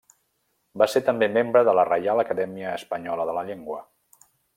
Va ser també membre de la Reial Acadèmia Espanyola de la llengua.